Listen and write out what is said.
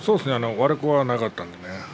悪くはなかったのでね。